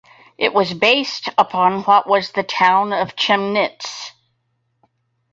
It was based upon what was the town of Chemnitz.